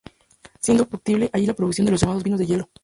Siendo factible allí la producción de los llamados vinos de hielo.